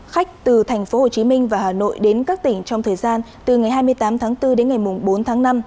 khách từ tp hcm và hà nội đến các tỉnh trong thời gian từ ngày hai mươi tám tháng bốn đến ngày bốn tháng năm